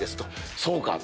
そうかと。